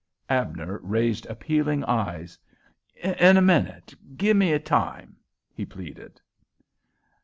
Abner raised appealing eyes. "In a minute. Give me time," he pleaded.